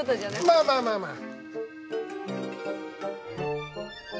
まあまあまあまあ！